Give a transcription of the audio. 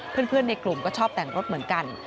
เพื่อนในกลุ่มก็ชอบแต่งรถเหมือนกัน